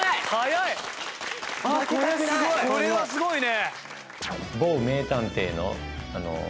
これはすごいね！